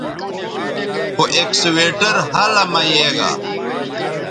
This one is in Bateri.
خو اکسویٹر ھلہ مہ یے گا